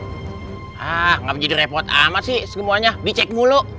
hah gak jadi repot amat sih semuanya dicek mulu